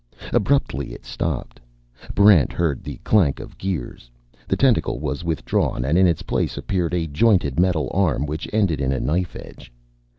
Abruptly it stopped. Barrent heard the clank of gears. The tentacle was withdrawn, and in its place appeared a jointed metal arm which ended in a knife edge.